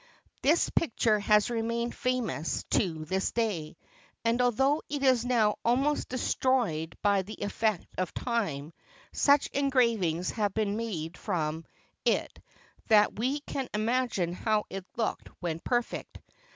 This picture has remained famous to this day, and although it is now almost destroyed by the effect of time, such engravings have been made from it that we can imagine how it looked when perfect.